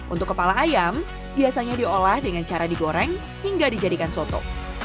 untuk kepala ayam biasanya diolah dengan cara digoreng hingga dijadikan soto